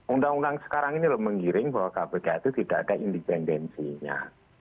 undang undang sekarang ini loh menggiring bahwa kpk itu tidak ada independensinya